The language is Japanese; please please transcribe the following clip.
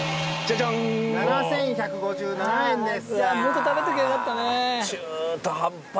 ７，１５７円です。